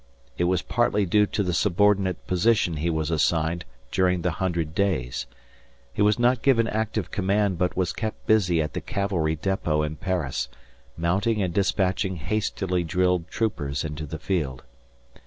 It was partly due to the subordinate position he was assigned during the Hundred Days. He was not given active command but was kept busy at the cavalry depot in Paris, mounting and despatching hastily drilled troopers into the field.